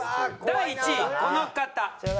第１位この方。